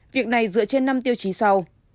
việc này dựa trên năm tiêu chí sau